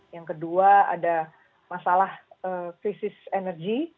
yang kedua ada masalah krisis energi